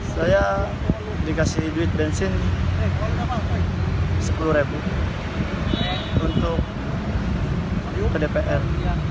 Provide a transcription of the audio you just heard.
saya dikasih duit bensin rp sepuluh untuk ke dpr